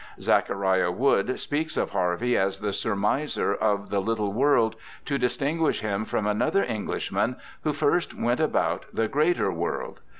Zachariah 3i8 BIOGRAPHICAL ESSAYS Wood speaks of Harvey as the surmiser of the httle world, to distinguish him from another Enghshman who first went about the greater world.